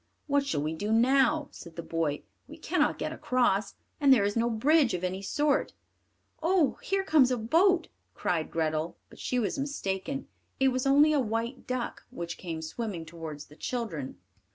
"What shall we do now?" said the boy. "We cannot get across, and there is no bridge of any sort." "Oh! here comes a boat," cried Grethel, but she was mistaken; it was only a white duck which came swimming towards the children.